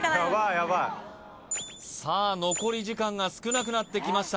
ヤバいさあ残り時間が少なくなってきました